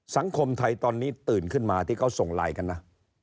สังคมไทยตอนนี้ตื่นขึ้นมาที่เขาส่งไลน์กันนะ